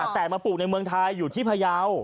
แต่มาปลูกในเมืองไทยอยู่ที่พยาว